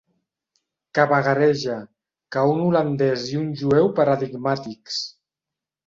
Que vagareja, que un holandès i un jueu paradigmàtics.